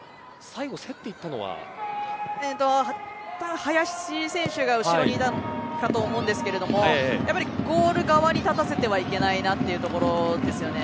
たぶん、林選手が後ろにいたと思うんですけどやっぱりゴール側に立たせてはいけないなというところですよね。